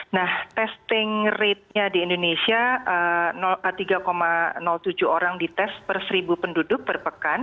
nah testing ratenya di indonesia tiga tujuh orang dites per seribu penduduk per pekan